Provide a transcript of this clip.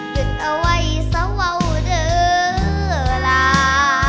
หยุดเอาไว้เซาเว่าเด้อร่า